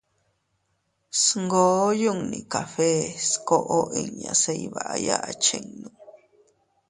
Sngoo yunni café skoʼo inña se iyvaya achinnu.